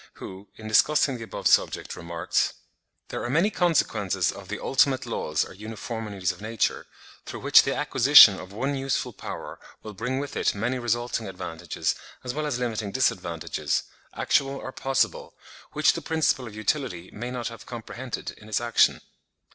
1870, page 293), who, in discussing the above subject, remarks, "There are many consequences of the ultimate laws or uniformities of nature, through which the acquisition of one useful power will bring with it many resulting advantages as well as limiting disadvantages, actual or possible, which the principle of utility may not have comprehended in its action."